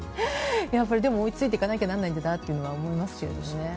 でも、追いついていかなきゃならないんだなと思いますけど。